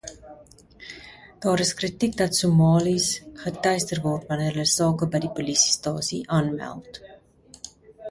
Daar is kritiek dat Somali's geteister word wanneer hulle sake by die polisiestasie aanmeld.